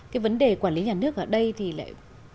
cái vấn đề quản lý nhà nước ở đây thì lại